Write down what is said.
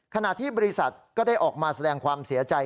ขณะที่บริษัทก็ได้ออกมาแสดงความเสียใจ